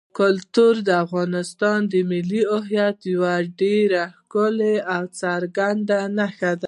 کلتور د افغانستان د ملي هویت یوه ډېره ښکاره او څرګنده نښه ده.